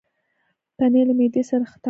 پنېر له معدې سره ښه تعامل لري.